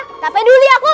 gak peduli aku